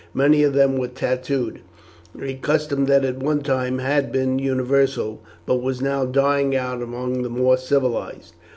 Many of them were tattooed a custom that at one time had been universal, but was now dying out among the more civilized.